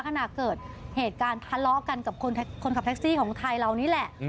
ขณะเกิดเหตุการณ์ทะเลาะกันกับคนขับแท็กซี่ของไทยเรานี่แหละ